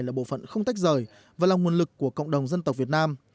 là bộ phận không tách rời và là nguồn lực của cộng đồng dân tộc việt nam